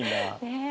ねえ。